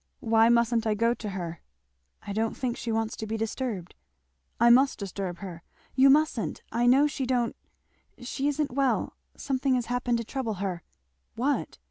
"Why mustn't I go to her?" "I don't think she wants to be disturbed " "I must disturb her " "You musn't! I know she don't she isn't well something has happened to trouble her " "What?"